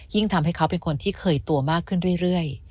ทำให้เขาเป็นคนที่เคยตัวมากขึ้นเรื่อย